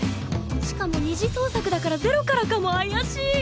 しかも二次創作だからゼロからかも怪しい